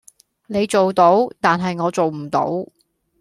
你做到，但係我做唔到